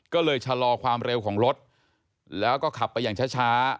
ก็เลยชะลอความเร็วของรถแล้วก็ขับไปอย่างช้า